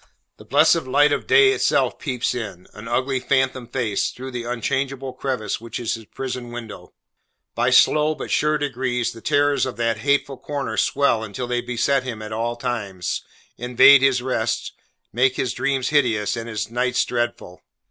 The blessed light of day itself peeps in, an ugly phantom face, through the unchangeable crevice which is his prison window. By slow but sure degrees, the terrors of that hateful corner swell until they beset him at all times; invade his rest, make his dreams hideous, and his nights dreadful.